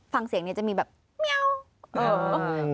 ฟังเสียงจะมีแบบแมว